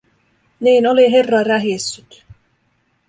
Niin oli herra rähissyt.